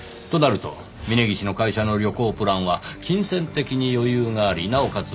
となると峰岸の会社の旅行プランは金銭的に余裕がありなおかつ